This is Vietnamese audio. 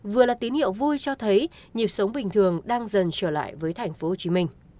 vừa là tín hiệu vui cho thấy nhịp sống bình thường đang dần trở lại với thành phố hồ chí minh